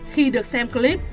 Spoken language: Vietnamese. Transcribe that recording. khi được xem clip